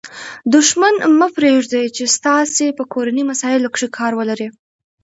دوښمن مه پرېږدئ، چي ستاسي په کورنۍ مسائلو کښي کار ولري.